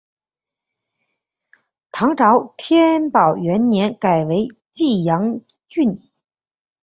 唐朝天宝元年改为济阳郡。